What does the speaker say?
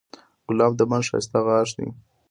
ګلاب د بڼ د ښایست غاښ دی.